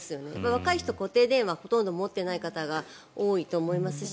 若い人、固定電話をほとんど持っていない方が多いと思いますし